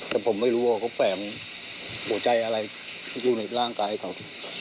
แต่ผมไม่รู้ว่าเขาแฝงหัวใจอะไรอยู่ในร่างกายเขา